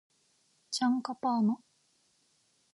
チャンカパーナ